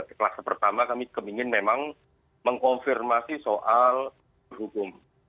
kelas pertama kami kemungkinan memang mengkonfirmasi soal hukum